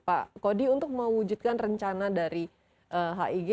pak kodi untuk mewujudkan rencana dari hig